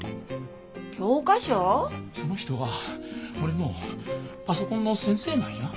その人は俺のパソコンの先生なんや。